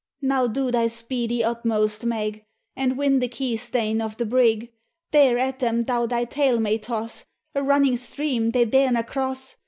Now, do thy speedy utmost, Meg, And win the key stane of the brig ; There at them thou thy tail may toss,^ A running stream they dare na cross.